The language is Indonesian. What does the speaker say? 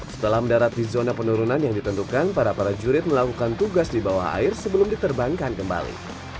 setelah mendarat di zona penurunan yang ditentukan para prajurit melakukan tugas di bawah air sebelum diterbangkan kembali